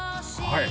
はい？